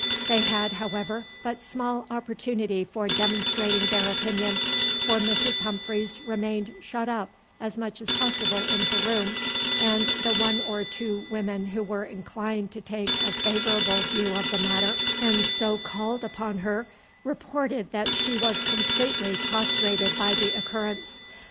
They had, however, but small opportunity for demonstrating their opinion, for Mrs. Humphreys remained shut up as much as possible in her room, and the one or two women who were inclined to take a favourable view of the matter and so called upon her, reported that she was completely prostrated by the occurrence.